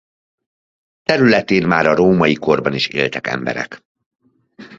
Területén már a római korban is éltek emberek.